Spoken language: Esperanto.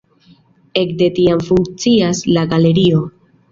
Ekde tiam funkcias la galerio.